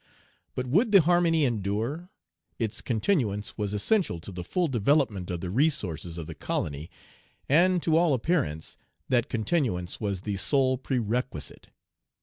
But would the harmony endure? Its continuance was essential to the full development of the resources of the colony; and, to all appearance, that continuance was the sole prerequisite.